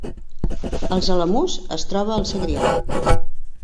Els Alamús es troba al Segrià